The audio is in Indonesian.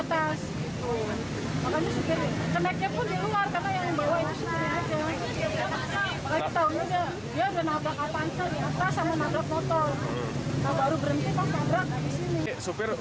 makanya supir keneknya pun di luar karena yang bawah itu supir aja